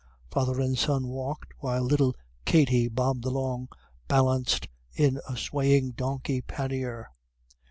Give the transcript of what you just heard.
Father and son walked, while little Katty bobbed along, balanced in a swaying donkey pannier.